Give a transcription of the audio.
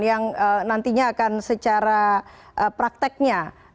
yang nantinya akan secara prakteknya